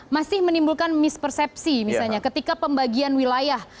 masih menimbulkan mispersepsi misalnya ketika pembagian wilayah